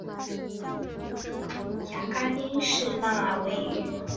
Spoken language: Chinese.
雅戈丁那是位于塞尔维亚中部的一个城市。